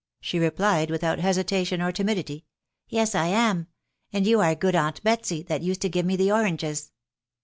" she replied without hesitation or timidity, " Yes, I am ; and you are good aunt Betsy, that used to give me the oranges."